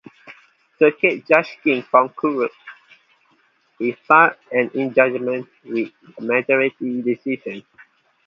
Circuit Judge King concurred in part and in judgment with the majority decision.